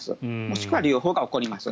もしくは両方が起こります。